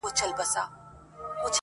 نشه یمه تر اوسه جام مي بل څکلی نه دی,